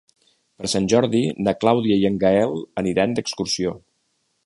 Per Sant Jordi na Clàudia i en Gaël aniran d'excursió.